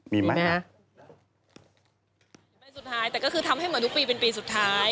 มีไหมฮะใบสุดท้ายแต่ก็คือทำให้เหมือนทุกปีเป็นปีสุดท้าย